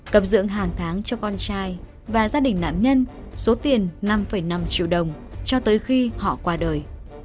cập dưỡng hàng tháng cho con trai và gia đình nạn nhân số tiền năm năm triệu đồng cho tới khi họ qua đời